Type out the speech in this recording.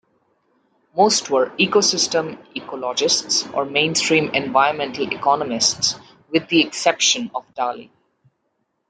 Most were ecosystem ecologists or mainstream environmental economists, with the exception of Daly.